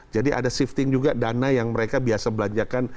jadi ada shifting juga dana yang mereka biasa belanjakan